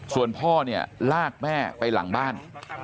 ส่วนพ่อเนี่ยลากแม่ไปหลังบ้าน